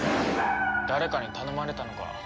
誰かに頼まれたのか？